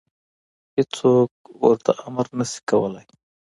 هېڅوک ورته امر نشي کولی.